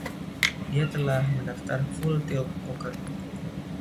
Dia telah mendaftar Full Tilt Poker.